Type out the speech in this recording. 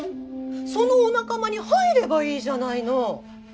そのお仲間に入ればいいじゃないの！